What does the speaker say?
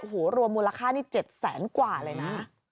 โหรวมมูลค่านี้เจ็ดแสนกว่าเลยนะ